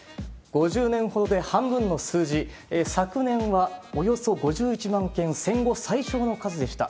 ５０年ほどで半分の数字、昨年はおよそ５１万件、戦後最少の数でした。